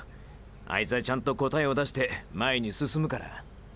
あいつはちゃんと答えを出して前に進むから。